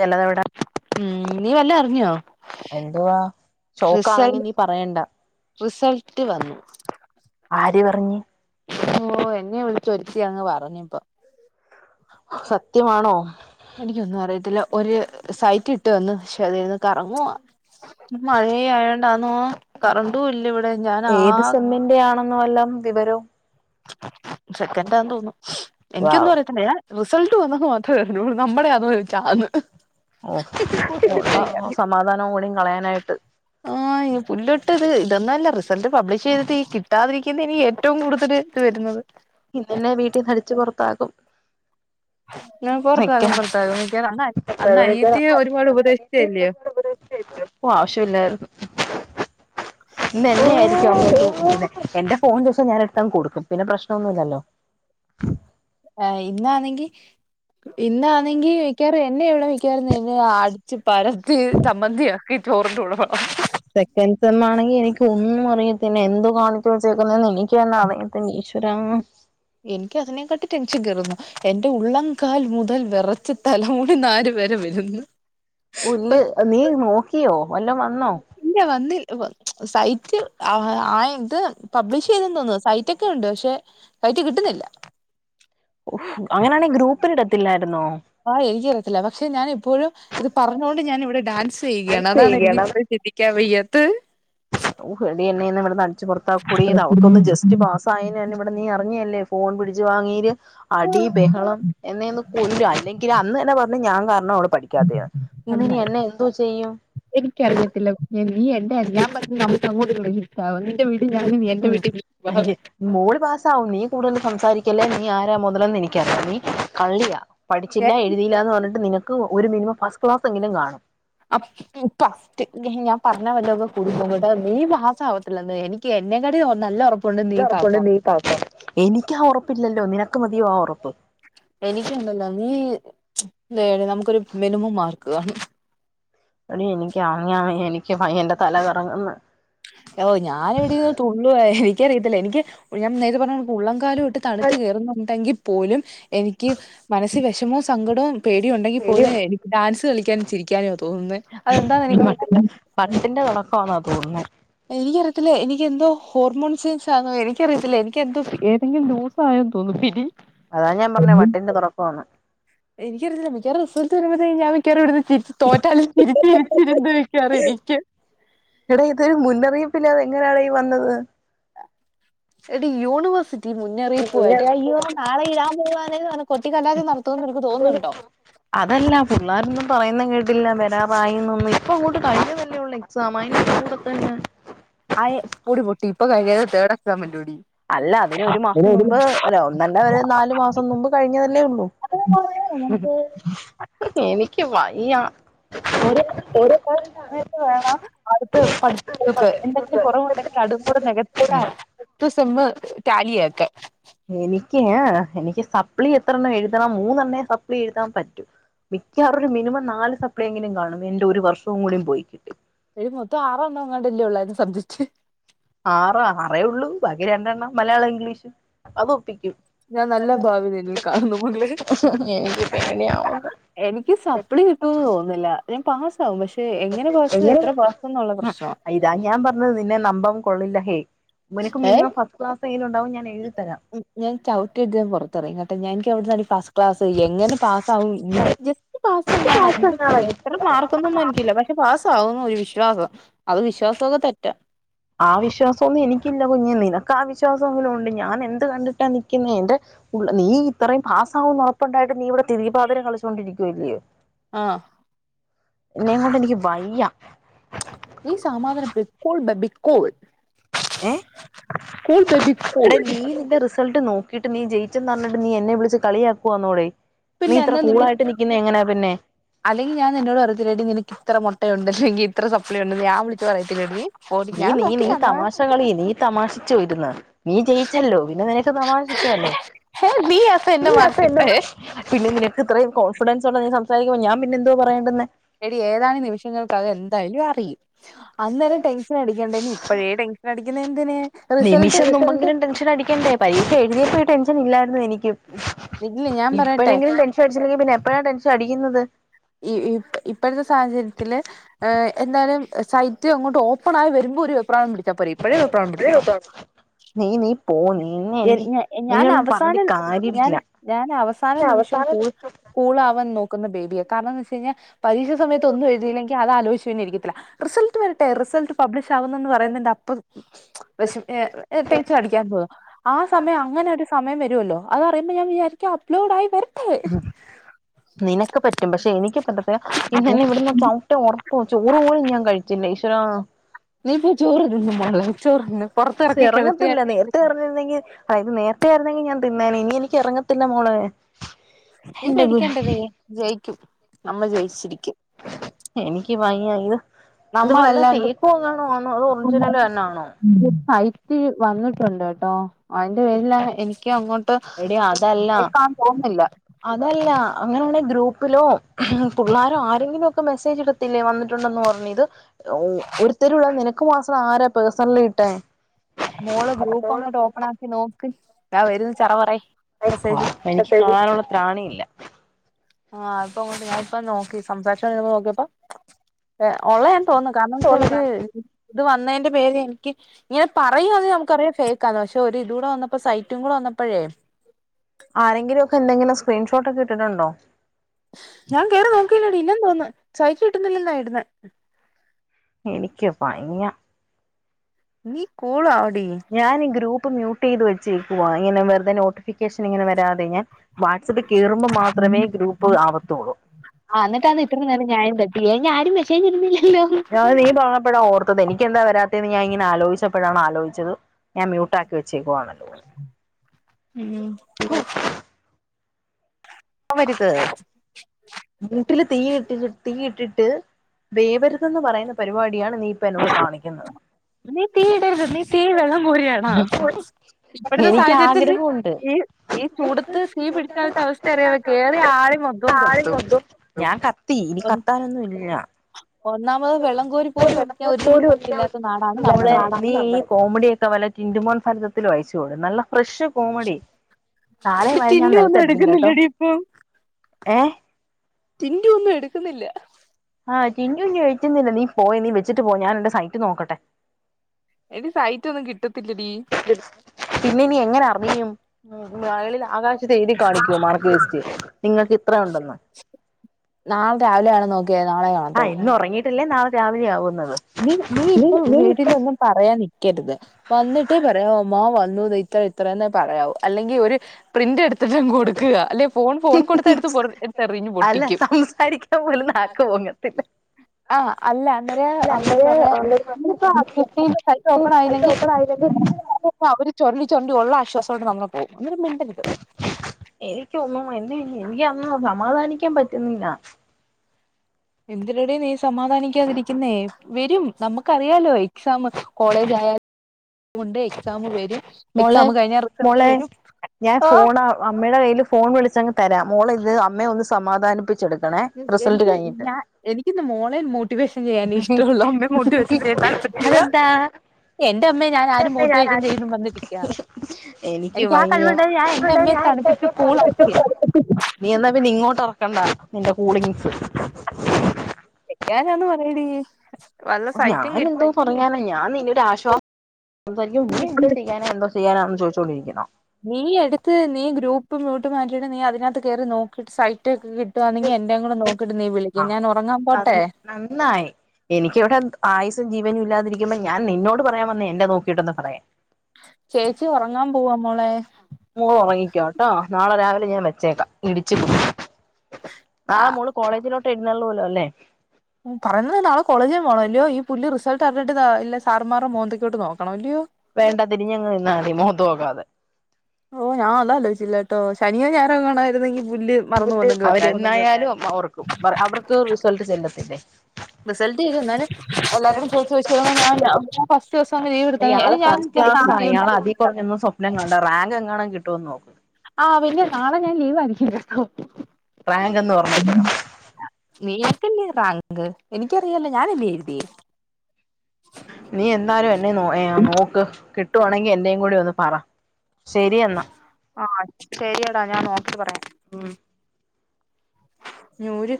ചെലതവിടെ ഉം നീ വല്ലോം അറിഞ്ഞോ എന്തുവാ റിസൾ ശോക്കാന്നെങ്കി നി പറയണ്ട റിസൾട്ട് വന്നു ആര് പറഞ്ഞ് ഓ എന്നെ വിളിച്ചൊര്ത്തി അങ്ങ് പറഞ്ഞ് ഇപ്പം സത്യമാണോ എനിക്കൊന്നും അറിയത്തില്ല ഒരു സൈറ്റ് ഇട്ട് തന്ന് പക്ഷെ അത് ഇര്ന്ന് കറങ്ങുവാ മഴയായോണ്ടാന്നോ കറണ്ടും ഇല്ല ഇവടെ ഞാൻ ആ നിന്റെയാണോ വല്ലോം വിവരോം സെക്കൻഡാന്ന് തോന്നുന്നു എനിക്കൊന്നും വാവ് അറിയത്തില്ല ഞാ റിസൾട്ട് വന്നെന്ന് മാത്രം അറിഞ്ഞു നമ്മടെയാന്ന് ചോയ്ച്ച ആന്ന് ഓഹ് ഉള്ള സമാധാനോം കൂടി കളയാനായിട്ട് ആഹ് ഇ പുല്ലോട്ട് ഇത് ഇതൊന്നല്ല റിസൾട്ട് പബ്ലിഷെയ്തി കിട്ടാതിരിക്കുന്ന ഇനി ഏറ്റവും കൂടുതല് വരുന്നത് ഇന്നെന്നെ വീ ട്ടീന്നടിച്ച് പൊറത്താക്കും [inaudible] പൊറത്താകും പൊറത്താകും മിക്കവാറും അന്ന അന്ന് അനിയത്തി ഒരുപാട് ഉപദേശിച്ചല്ല്യയോ ഓഹ് ആവശ്യല്ലാരുന്നു ഓ ഇന്നെന്നെയായിരിക്കും അമ്മ തൂകുന്നെ എന്റെ ഫോൺ ചോയ്ച്ച ഞാൻ എടുത്തങ്ങ് കൊടുക്കും പിന്നെ പ്രശ്നൊന്നുല്ലല്ലോ ആഹ് ഇന്നാന്നെങ്കി ഇന്നാന്നെങ്കി മിക്കവാറും എന്നെ ഇവടെ മിക്കാറും ഇന്നെന്നെ അടിച്ചു പരത്തി ചമ്മന്തിയാക്കി ചോറിന്റെ കൂടെ വിള സെകണ്ട് സെം ആണെങ്കി എനിക്ക് ഒന്നും അറിയത്തില്ല എന്തൊ കാണിച്ചു വെച്ചേക്കുന്നേന്ന് എനിക്ക് തന്നെ അറിയത്തില്ല ഈശ് രാ എനിക്ക് അതിനേക്കാട്ടി ടെൻഷൻ കേറുന്നു എന്റെ ഉള്ളംകാൽ മുതൽ വെറച്ച് തലമുടി നാരു വരെ വരുന്നു പുല്ല് നീ നോക്കിയോ വല്ലോം വന്നോ ഇല്ല വന്നി സൈറ്റ് ആ ആയി ഇത് പബ്ലിഷ് ചെയ്തെന്ന് തോന്നുന്നു സൈറ്റ് ക്കെയൊണ്ട് പക്ഷെ സൈറ്റ് കിട്ടുന്നില്ല ഓഹ് അങ്ങനാണെങ്കി ഗ്രൂപ്പിലിടത്തില്ലായിരുന്നോ ആഹ് എനിക്കറിയത്തില്ല പക്ഷെ ഞാൻ ഇപ്പോഴും ഇത് പറഞ്ഞോണ്ട് ഞാൻ ഇവിടെ ഡാൻസെയ്യുകയാണ് ആക്ട് അതാണ് എനിക്ക് ചെയ്യണം ചിന്തിക്കാൻ വയ്യാത്ത് ഓഹെടി എന്നെയിന്ന് ഇവടെന്നടിച്ച് പുറത്താക്കോടി നമക്കൊന്ന് ജസ്റ്റ് പാസ്സ് സായെന് എന്ന് ഇവിടെന്ന് നീ എറങ്ങിയല്ലേ ഫോൺ പിടിച്ചു വാങ്ങീര് ആ, അടി ബഹളം എന്നെയിന്നു കൊല്ലും അല്ലെങ്കിലെ അന്ന് തന്നെ പറഞ്ഞ് ഞാൻ കാരണ അവള് പഠി ക്കാതെയാ ഇന്നിനി നന്നായി എന്നെ എന്തോ ചെയ്യും എനിക്കറിയത്തില്ല കുഞ്ഞേ നീ എന്റെ എല്ലാം പറഞ്ഞ് നമുക്ക് അങ്ങോട്ട [unintelligible] നിന്റെ വീട്ടി ഞാനും എന്റെ ഉം വീട്ടി നീയും വാ അയ്യേ [unintelligible] മോള് പാസാവും നീ കൂടുതല് സംസാരിക്കല്ലേ നീ ആരാ മുതലെന്ന് എനിക്കറിയാ നീ കള്ളിയാ പഠിച്ചില്ല എഴുതിയില്ലാന്ന് പറഞ്ഞിട്ട് നിനക്ക് ഒരു മിനിമം ഫസ്റ്റ് ക്ലാസെങ്കിലും കാണും [unintelligible] [unintelligible] ഞാൻ പറഞ്ഞ വല്ലോക്കെ കൂടി പോവും കേട്ടോ നീ പാസ്സാവാത്തില്ലന്നോ എനിക്ക് എന്നേക്കാട്ടി നല്ല ഒറ ല്ല ഒറപ്പൊണ്ട് നീ പാസ്സാവും എനിക്ക് ആഹ് ഒറപ്പില്ലല്ലോ നിനക്ക് മതിയോ ആഹ് ഒറപ്പ് എനിക്കുണ്ടല്ലോ നീ എ നമുക്കൊരു മിനിമം മാർക്ക് വേ എടി എനിക്കറിയാൻ വയ്യ എനിക്ക് വയ്യ എന്റെ തലകറങ്ങ്ന്ന് ഓ ഞാനിവിടെയിരുന്നു തുള്ളുവാ എനിക്കറിയത്തില്ല എനിക്ക് ഞാൻ നേരത്തെ പറഞ്ഞ് ഉള്ളംകാലം തൊട്ട് തണുത്ത് കയറുന്നുണ്ടെങ്കി പോലും എനിക്ക് മനസ്സി വിഷമോ സങ്കടോം പേടിയൊണ്ടെങ്കി പേടിയാ പോലും എനിക്ക് ഡാൻസ് കളിക്കാനും ചിരിക്കാനുവ തോന്നുന്നേ അതെന്താന്നെനിക്ക് [unintelligible] ഫണ്ടിന്റെ തൊടക്കാന്നാ തോന്നുന്നേ എനിക്കറിയത്തില്ല എനിക്കെന്തോ ഹോർമോൺസ് സെല്സ് ആണോ എനിക്കറിയത്തില്ല എനിക്കെന്തോ ഏതെങ്കിലും ലൂ സായെന്ന് തോന്നുന്നു പിരി അതാ ഞാൻ പറഞേ വട്ടിന്റെ തൊടക്കാന്ന് എനിക്കറിയത്തില്ല മിക്കവാറും റിസൾട്ട് വരുമ്പത്തേക്കും ഞാൻ മിക്കവാറും ഇവടന്ന് തിരി തോറ്റാലും ചിരിച് ചിരിച് ഇരുന്ന് മിക്കവാറും ഇരിക്ക എടാ ഇത് മുന്നറിയിപ്പില്ലാതെ എങ്ങനെയാടാ ഈ വന്നത് എടി യൂണിവേഴ്സി തീ മുന്നറിയിപ്വായിട്ട് അയ്യോ നാളെ ഇടാപോവാണ്ന്നറ്ഞ്ഞ് കൊട്ടിക്കല്ലാസം നടത്തുന്ന്ൻക്ക് തോന്നുന്നുണ്ടോ അതല്ല പിള്ളാരൊന്നും പറയുന്ന കേട്ടില്ല വരാറായിന്നൊന്നും പ്പൊങ്ങോട്ട്കഴിഞ്ഞതല്ലേഉള്ളൂ എക്സാമ് അയിൻ്റെ കൂടെ തന്നെ ഹായ് പൊടി പൊട്ടി ഇപ്പോകയ്ഞത് തേർഡ് എക്സാമല്ലോഡീ അല്ല അതിന് ഒരു മാസം മുമ്പ് അല്ല ഒന്നല്ല ഒരു നാാലു മാസം മുമ്പ് കഴിഞ്ഞതല്ലേള്ളൂ [unintelligible] എനിക്ക് വയ്യ [unintelligible] ആഹ് അടുത്ത് [unintelligible] എന്തെങ്കിലും കൊറവുണ്ടെങ്കിൽ അടും കൂടെ നികത്തിയ്ട്ടാ ത്ത് സെമ്മു ടാലിയാക്ക് എനിക്ക് ങ് എനിക്ക് സപ്ളി എത്രണ്ണം എഴുതണം മൂന്നെണ്ണ സപ്ലി എഴുതാം പറ്റു മിക്കവറൊരു മിനിമം നാല് സപ്ലിയെങ്കിലും കാണും എന്റെ ഒരു വർഷവും കൂടി പോയി അയ്ല് മൊത്തംആറെണ്ണങ്ങാണ്ടോല്ലോള്ളാ സബ്ജക്ക്റ്റ് ആറോ ആറേള്ളു ബാക്കി രണ്ടെണ്ണം മലയാളോ ഇംഗ്ലീഷ് അത് ഒപ്പിക്കും ഞാൻ നല്ല ഭാവി നിന്നിൽ കാണുന്നു മകളേ എനിക്ക് സപ്പ്ളി കിട്ടോന്ന് തോന്ന്നില്ല ഞാൻ പാസ് സാവും പക്ഷേ എങ്ങനെ പാസ് എങ്ങനെ എത്രപാസ്ന്നു ള്ള ഉം പ്രശ്ന ഇതാ ഞാൻ പറഞ്ഞത് നിന്നെ നമ്പൻ കൊള്ളില്ലഹേ നിനക്ക് ഏ മിനിമം ഫസ്റ്റ്ക്ലാസേലുണ്ടാവും ഞാൻ എഴുതിതരാം ഞാൻ ചവ്ട്ടിട് പൊറത്തെറങ്ങട്ടെ ഞാൻക്കവ്ട്ന്നൊരു പാസ് ക്ലാസ് എങ്ങനെ പാസ്സാവും ൻക്ക് ജസ്റ്റ് പാസങ്ങാണ് [unintelligible] ത്ര മാർക്കൊന്നും എൻക്കില്ല പക്ഷെ പാസാവുംന്നൊരു വിശ്വാസം അത് വിശ്വാസൊക്കെ തെറ്റ ആഹ് വിശ്വാസൊന്നു എനിക്കില്ല കുഞ്ഞേ നിനക്ക് ആഹ് വിശ്വാസൊങ്കിലുണ്ട് ഞാൻ എന്ത് കണ്ടിട്ടാ നിക്ക്ന്നേ എന്റെ ഉള്ള് നീ ഇത്രയും പാസ്സാവുന്നുറപ്പുണ്ടായിട്ട് നീ ഇവിടെ തിരികിപ്പാതിര കളിച്ചുണ്ടിരിക്കുവല്ലോ ആഹ് എന്നേങ്ങോണ്ടെനിക്ക് വയ്യ നീ സമാധാനപെട് കൂൾ ബേബി കൂൾ ഏ കൂൾ ബേബി കൂൾ എടാ നീ നിൻ്റെ റിസൽ സൽട്ട് നോക്കിട്ട് നീ ജെയിചെന്നർഞ്ഞിട്ട് നീ എന്നെ വിള്ച്ച് കളിയാക്കുവാന്നോടെ നീ ഇത്ര പിന്നെന്നാ നിന്നെ കൂളായിട്ട് നിക്കുന്നെ എങ്ങനാ പിന്നെ അല്ലെങ്ങി ഞാ നിന്നോടറയത്തില്ലേടീ നിനക്കിത്ര മൊട്ടയുണ്ട് ഇല്ലെങ്കി ഇത്ര സപ്ലിയുണ്ടെന്ന് ഞാൻ വിളിച്ച് പറയത്തില്ലെടീ നീ നീ നീ തമാശകളി നീ തമാശിച്ചോ ഇരുന്ന് നീ ജയിച്ചല്ലോ പിന്നെ നിന ക്ക് തമാശിക്കാലോ നീ അപ്പ എന്നെ മറക്കട്ടെ [unintelligible] പിന്നെ നിനക്ക് ഇത്രയും കോൺഫിഡൻസോണ്ട് നീ സംസാരിക്കുമ്പോ ഞാൻ പിന്നെന്തോ പറയേണ്ട്ന്നെ എടി ഏതാനും നിമിഷങ്ങൾക്കകം എന്തായാലു അറിയും അന്നേരം ടെൻ ശനടിക്കണ്ടേനി ഇപ്പഴേ ടെൻഷനടിക്കുന്ന ഏന്തിന് നിമിഷം നുമ്പെങ്കിലും ടെൻഷൻ അടിക്കണ്ടേ പരീക്ഷ എഴ്തിയപ്പോ ഈ ടെൻഷനില്ലായിരുന്നു എനിക്കും ഇല്ല ഞാൻ പറയട്ടെ ഇപ്പഴെങ്കിലും ടെൻഷടിച്ചില്ലെങ്കി പിന്നെപ്പഴാ ടെൻഷടിക്കുന്നത് ഈ ഇപ്പ് ഇപ്പഴത്തെ സാഹചര്ത്തില് ഏഹ് എന്താലും സൈറ്റ് അങ്ങോട്ട് ഓപ്പണായി വരുമ്പൊ ഒരു വെപ്രാളം പിടിച്ച പോരെ ഇപ്പഴേ വെപ്രാളം പിടിക്കണോ നീ നീ പോ നിന്നെ എൻ എനിക്ക് ഞാ എൻ നിന്നെ ഒന്നും പറഞ്ഞിട്ട് ഞാനവസാനം ഞാന് കാര്യമില്ല ഞാനവസ സാന നിമിഷോം കൂൾ കൂളാവാൻ നോക്കുന്ന ബേബ്യ കാരണന്തന്നോയ്ച്ചെയ്ഞ പരീക്ഷ സമയത്ത് ഒന്നൊഴ്തിയില്ലെ ക്കി അതാലോയ്ച്ച് പിന്നെരിക്കത്തില്ല റിസൾട്ട് വരട്ടെ റിസൾട്ട് പബ്ലിഷ് ആവുന്നന്ന് പറയുന്നിന്റെ അപ്പം ടെശു ഏ എ ടെൻഷടിക്കാൻ പോകും ആ സമയ് അങ്ങനൊരു സ സമയം വരുവല്ലോ അതറിയുബ ഞാൻ വിചാരിക്കും അപ്ലോഡായി വര് ഉം നിനക്ക് പറ്റും പഷെ എനിക്ക് പറ്റത്തില്ല ഇന്നെന്നെ ഇവ്ട്ന്ന് ചവ് ട്ട് ഒറപ്പു ചോറ് പോലും ഞാ കഴിച്ചില്ല ഈ്വരാ നീ ഇപ്പ ചോറ് തിന്ന് മോളെ ചോറ് തിന്ന് പുറത്തിറക്കി കിടത്തിയ ഇറങ്ങത്തില്ല നേരത്തെ പറഞ്ഞിരുന്നെങ്കിൽ ഇത് നേരത്തെ ആര്ന്നെങ്കിൽ ഞാൻ തിന്നേനെ ഇനി എനിക്ക് ഇറങ്ങത്തില്ല മോളെ നീ എന്റെ ഗുരു പേടിക്കണ്ട നീ ജയിക്കും നമ്മ ജയിച്ചിരിക്കും എനിക്ക് വയ്യ ഇത് ഇത് വല്ല നമ്മളല്ലാണ്ട് ഫേക്ക് എങ്ങാനും ആണോ അതോ ഒറിജിനല് തന്നെയാണോ ഇത് സൈറ്റിൽ വന്നിട്ടുണ്ട് കേട്ടോ അതിന്റെ പേരിലാണ് എനിക്ക് അങ്ങോട്ട് എടി ട്ട് അതല്ല ഫേക്ക് ആന്ന് തോന്ന്ന്നില്ല അങ്ങനെ ആണെ ഗ്രൂപ്പിലോ പുള്ളാരോ ആരെങ്കിലും ഒക്കെ മെസ്സേജ് ഇടത്തില്ലേ വന്നിട്ടുണ്ടെന്ന് പറഞ്ഞ് ഇത്‌ ഒരുത്തര് ഉള്ള നിനക്ക് മാസം ആരാ പേഴ്സണലി ഇട്ടേ മോള് ഗ്രൂപ്പ് അങ്ങോട്ട് ഓപ്പൺ ആക്കി നോക്ക് ദാ വരന്ന് ചറ പറെ എനിക്ക് താങ്ങാനുള്ള ത്രാണിയില്ല ആഹ് ഇപ്പൊ അങ്ങോട്ട് ഞാനിപ്പ നോക്കി സംസാരിച്ചോണ്ടിര്ന്നപ്പൊ നോക്കിയപ്പൊ ഒള്ളയാ തോന്നുന്നു കാരണം വെച്ചാ ഒരു ഇത് വന്നതിന്റെ പേര് എനിക്ക് ഇങ്ങനെ പറയാന്നെ അത് നമുക്കറിയാം ഫേക്കാന്ന് പക്ഷെ ഒരിത് കൂടെ വന്നപ്പോ സൈറ്റും കൂടെ വന്നപ്പഴേ ആരെങ്കിലും ഒക്കെ എന്തെിലും സ്ക്രീൻഷോട്ട് ഒക്കെ ഇട്ടിട്ടുണ്ടോ ഞാൻ കേറി നോക്കീല്ലെടി ഇല്ലെന്ന തോന്നന്ന് സൈറ്റ് കിട്ടുന്നില്ലന്നാ ഇടുന്നെ എനിക്ക് വയ്യ നീ കൂൾ ആവടി ഞാൻ ഈ ഗ്രൂപ്പ് മ്യൂട്ട് ചെയ്ത് വെച്ചേക്കുവാ ഇങ്ങനെ വെറുതെ നോ നോട്ടിഫിക്കേഷനിങ്ങനെ വരാതെ ഞാൻ വാട്സപ്പി കേറുമ്പോ മാത്രമേ ഗ്രൂപ്പ് ആവത്തുള്ളൂ. ആഹ് ന്നിട്ടാന്ന് ഇത്ര നേരം ആരും എത്തിയില്ല. ആരും മെസേജ് ഇടുന്നില്ലല്ലോ. ഹ് ഹ് ഞാന് നീ പോന്നപ്പഴാ ഓർത്തത് എനിക്ക് എന്താ വരാത്തേന്ന് ഞാൻ ഇങ്ങനെ ആലോചിച്ചപ്പോഴാണ് ആലോചിച്ചത്. ഞാൻ മ്യൂട്ടാക്കി വെച്ചേക്കുവാണല്ലോ. ം പോവരുത്. മൂട്ടില് തീയ്യ്ട്ടിട്ട് തീ ഇട്ടിട്ട് വേവരുതെന്ന് പറയുന്ന പരിപാടിയാണ് നീ പ്പെന്നോട് കാണിക്കുന്നത്. നീ തീ ഇടരുത് നീ തീ വെള്ളം കോരിയാണാ? ഇപ്പഴത്തെ എനിക്ക് സാഹചര്യത്തിൽ ആഗ്രഹമുണ്ട് ഈ ഈ ചൂടുത്ത് തീ പിടിച്ചാലത്ത അവസ്ഥ അറിയാവെ കേറ്യാ ആളി മൊത്തവും കത്തും. ഞാൻ കത്തി ഇനി ഒന്ന് കത്താനൊന്നും ഇല്ല. ഒന്നാമത് വെള്ളം കോരി പോലും ഒഴിക്കാൻ ഒരു തുള്ളി വെള്ളം ഇല്ലാത്ത നാടാണ് [unintelligible] മോളെ നമ്മടത് അത് നീ കോമഡിയൊക്കെ വല്ല ടിന്റുമോൻ ഫലിതത്തിൽ അയച്ചു കൊട് നല്ല ഫ്രഷ് കോമഡി കാലെ എടി വാരി ഞാൻ ടിന്റു ഒന്നും നെലത്തടിക്കും കേട്ടോ എടുക്കുന്നില്ലടി ഇപ്പം ഏഹ്. ടിന്റു ഒന്നും എടുക്കുന്നില്ല. ആഹ് ടിന്റു ഇനി എടുക്കുന്നില്ല. നീ പോയെ നീ വച്ചിട്ട് പോ ഞാ എന്റെ സൈറ്റ് നോക്കട്ടെ. എടി സൈറ്റൊന്നും കിട്ടത്തില്ലടീ. പിന്നെ ഇനി എങ്ങനെ അറിയും. ം മേളിൽ ആകാശത്ത് എഴുത്തി കാണിക്കോ മാർക്ക് ലിസ്റ്റ്? നിങ്ങൾക്ക് ഇത്ര ഉണ്ടെന്ന്. നാളെ രാവിലെ ആണ് നോ ഓക്കെ നാളെ കാണാം. ആഹ് ഇന്ന് ഒറങ്ങിയിട്ടില്ലേ നാളെ രാവിലെ ആവുന്നത്. നീ നീ ഇപ്പ വീട്ടിലൊന്നും പറയാതി ക്കരുത് വന്നിട്ടേ പറയാവു ഉമ്മ വന്നു ഇത്ര ഇത്രയെന്നെ പറയാവു അല്ലെങ്കിൽ ഒരു പ്രിന്റ് എടുത്തിട്ടങ് കൊടുക്കുക അല്ലെ. ഫോൺ ഫോൺ കൊടുത്ത എടുത്ത് എടുത്തെറിഞ്ഞ് അല്ല പൊട്ടിക്കും. സംസാരിക്കാൻ പോലും നാക്ക് പൊങ്ങത്തില്ല അഹ് അല്ല അന്നേര് പറ ഇനിപ്പോ [unintelligible] ഓപ്പണാ യില്ലെങ്കിൽ അത്പ്പൊ അവര് ചൊർണ്ടി ചൊർണ്ടി ഉള്ള ആശ്വാസാങ്ങട്ട് പോകും അതോണ്ട് മിണ്ടരുത്. എനിക്കൊന്നും വന്നില്ല. എനിക്ക് ഒന്നു സമാധാനിക്കാൻ പറ്റുന്നില്ല. എന്തിനടെ നീ സമാധാനിക്കാതിരിക്കുന്നേ? വരും. നമുക്കറിയാാലോ എക്സാമ് കോളേജായാൽ ണ്ടെ എക്സാമ് വരും മോളെ എക്സാമ് കഴിഞ്ഞാ റിസൾട്ട് വരും ആഹ് അമ്മേടെ കയ്യില് ഫോൺ വിളിച്ചങ്ങ് തരാ മോളിത് അമ്മേ ഒന്ന് സമാധാനിപ്പിച്ചെടുക്കണേ റിസൾട്ട് എനിക്ക് കഴിഞ്ഞിട്ട്. ഞാൻ എനിക്കിന്ന് മോളെ മോട്ടിവേഷൻ ചെയ്യാനിഷ്ടൊള്ളു ഹ് അമ്മെ മോട്ടിവേഷൻ ചെയ്യാൻ താല്പര്യല്ല. അതെന്താ എന്റെമ്മയെ ഞാൻ ആരു മോട്ടിവേഷൻ ചെയ്യും ന്ന് വന്നിരിക്ക. എനിക്ക് എനിക്കാ വയ്യ കഴിവുണ്ടായ ഞാൻ എന്റെമ്മയെ തണുപ്പിച്ചു കൂളാക്കും. നീ എന്നാ പിന്നെ ഇങ്ങോട്ടെറക്കണ്ട നിന്റെ കൂളിങ്സ്. ക്കാനാന്ന് പറെടീ. ഞാനനെന്തോ പറയാന? ഞാൻ നിന്നൊരാശ്വാസം സംസാരിക്കും നീ ഇവിടെരിക്കാനോ എന്തോ ചെയ്യാനാന്ന് ചോദിച്ചോണ്ടിരിക്കണോ? നീ എടുത്ത് നീ ഗ്രൂപ്പ് മ്യൂട്ട് മാറ്റിയിട്ട് നീ അതിനകത്ത് കയറി നോക്കിട്ട് സൈറ്റ് ട്ടുവാന്നെങ്കി എന്റെ കൂടെ നോക്കിട്ട് നീ വിളിക്ക് ഞാൻ ഒറങ്ങാൻ പോട്ടെ? ആഹ് നന്നായി എനിക്കിവിടെ ആയുസും ജീവനും ഇല്ലാതിരിക്ക്മ്പോ ഞാൻ നിന്നോട് പറയാൻ വന്നെ എന്റെ നോക്കിട്ടൊന്ന് പറയാൻ.. ചേച്ചി ഒറങ്ങാൻ പോവാ മോളേ. മോളൊറങ്ങിക്കോ ട്ടോ നാളെ രാവിലെ ഞാൻ വെച്ചേക്കാ. ഇടിച്ചു [inaudible] നാളെ മോള് കോളേജിലോട്ട് എഴുന്നള്ളോലോ അല്ലേ? പറയുന്നത് നാളെ കോളേജിൽ പോണല്ല്യോ ഈ പുല്ല് റിസൾട്ട്റിഞ്ഞിട്ട്ത് ല്ല സാറമ്മാരെ മോന്തൊക്കോട്ട് നോക്കണ ല്ല്യോ. വേണ്ട തിരിഞ്ഞങ്ങ് നിന്നാതി മോത്ത് നോക്കാതെ. ഓഹ് ഞാ അതാലോയ്ച്ചില്ലാട്ടോ ശനിയോ ഞായറോ കാണാരുന്നെങ്കിൽ പുല്ല് മറന്നു പോന്നെങ്കി [inaudible] വെക്കായിരുന്നു അവരെന്നായാലും [unintelligible] അവർക്ക് റിസൾട്ട് ചെല്ലത്തില്ലേ റിസൾട്ട് വെരു എന്നാലും എല്ലാരും ചോയ് ചോച്ചി [unintelligible] ഞാൻ ഫസ്റ്റ് ദിവസന്ന് ലീവെടുത്ത എനി ഞാൻ മിക്കവാറും നാളെ ലീവ് കൊർഞ്ഞൊന്നും സ്വപ്നം കാണണ്ട. റാങ്കെങ്ങാണം കിട്ടോന്നൊക്ക്. ആഹ് പിന്നെ നാളെ ഞാൻ ലീവായിരിക്കും കേട്ടോ. പ്രാങ്കെന്ന് പർഞ്ഞു നീ [unintelligible] ക്കല്ലേ റാങ്ക് എനിക്കറിയാല്ലോ ഞാനല്ലേ എഴുതിയേ. നീ എന്നാലും എന്നെ നോ ഏ നോക്ക് കിട്ടുവാണെങ്കി എന്റെയും കൂടി ഒന്ന് പറ. ശരിയെന്നാ. ആഹ് ശരിയടാ ഞാൻ നോക്കിട്ട് പറയാം. ഉം നൂര്